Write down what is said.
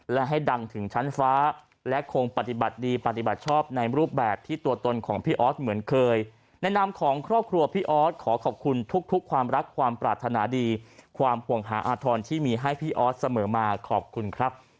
และให้ดังถึงชั้นฟ้าและคงปฏิบัติดีปฏิบัติชอบในรูปแบบที่ตัวตนของพี่ออสเหมือนเคยแนะนำของครอบครัวพี่ออสขอขอบคุณทุกความรักความปรารถนาดีความห่วงหาอาธรณ์ที่มีให้พี่ออสเสมอมาขอบคุณครับ